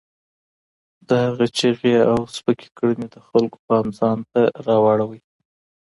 د هغه چیغې او سپکې کړنې د خلکو پام ځان ته رااړاوه.